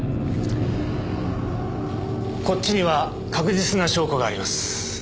こっちには確実な証拠があります。